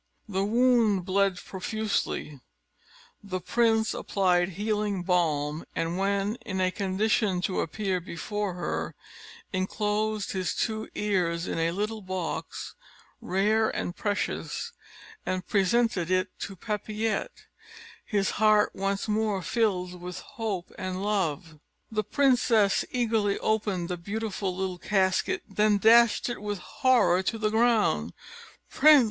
The wound bled profusely: the prince applied healing balm; and when in a condition to appear before her, enclosed his two ears in a little box, rare and precious, and presented it to Papillette, his heart once more filled with hope and love. The princess eagerly opened the beautiful little casket, then dashed it with horror to the ground. "Prince!"